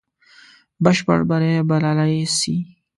بشپړ بری بللای سي.